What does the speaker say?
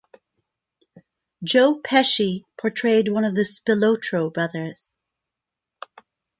Joe Pesci portrayed one of the Spilotro brothers.